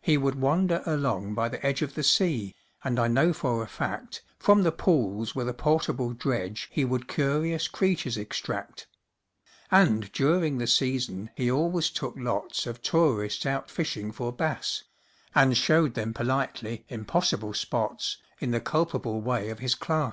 He would wander along by the edge Of the sea, and I know for a fact From the pools with a portable dredge He would curious creatures extract: And, during the season, he always took lots Of tourists out fishing for bass, And showed them politely impossible spots, In the culpable way of his class.